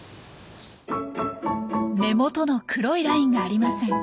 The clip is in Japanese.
目元の黒いラインがありません。